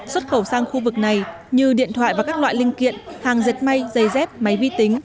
xuất khẩu sang khu vực này như điện thoại và các loại linh kiện hàng dệt may dây dép máy vi tính